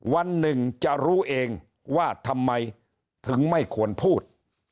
วันหนึ่งจะรู้เองว่าทำไมถึงไม่ควรพูด